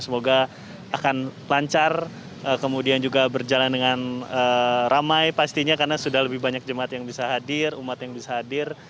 semoga akan lancar kemudian juga berjalan dengan ramai pastinya karena sudah lebih banyak jemaat yang bisa hadir umat yang bisa hadir